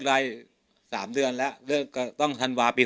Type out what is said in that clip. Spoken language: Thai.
ก็เลิกได้๓เดือนแล้วเลิกก็ต้องธันวาษณ์ปี๖๒อ่ะ